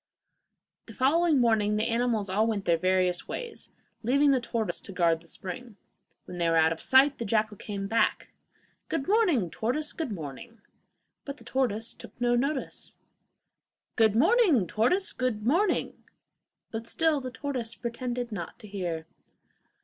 The following morning the animals all went their various ways, leaving the tortoise to guard the spring. When they were out of sight the jackal came back. 'Good morning, tortoise; good morning.' But the tortoise took no notice. 'Good morning, tortoise; good morning.' But still the tortoise pretended not to hear.